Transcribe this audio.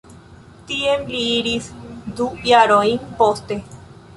Tien li iris du jarojn poste.